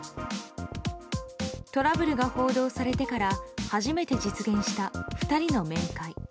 トラブルが報道されてから初めて実現した２人の面会。